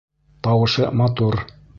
Тауышы матур...